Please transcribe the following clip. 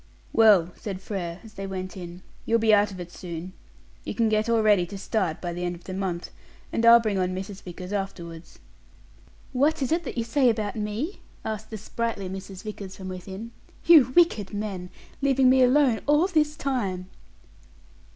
"Well," said Frere, as they went in, "you'll be out of it soon. You can get all ready to start by the end of the month, and I'll bring on Mrs. Vickers afterwards." "What is that you say about me?" asked the sprightly Mrs. Vickers from within. "You wicked men, leaving me alone all this time!"